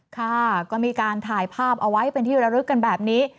ค่ะก็มีการถ่ายภาพเอาไว้เป็นที่ระลึกกันแบบนี้